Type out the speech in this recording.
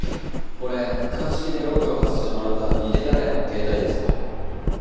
これ鑑識でロックを外してもらった井手孝也の携帯です。